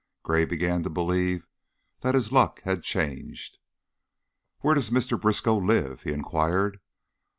Gray began to believe that his luck had changed. "Where does Mr. Briskow live?" he inquired.